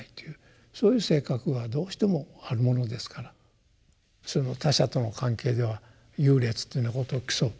そういう性格がどうしてもあるものですから他者との関係では優劣というようなことを競う。